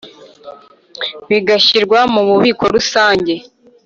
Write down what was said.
bigashyirwa mu Bubiko Rusange